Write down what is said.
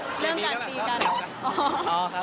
แต่เรื่องดีคนแบบเจาะการ